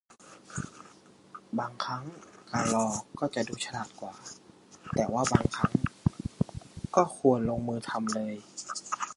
บางครั้งการรอก็จะดูฉลาดกว่า แต่ว่าบางครั้งก็ควรลงมือทำเลย